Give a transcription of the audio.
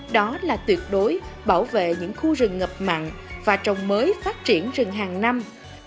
đó là tuyệt đối bảo vệ những khu rừng ngập mặn và trồng mới phát triển rừng hàng năm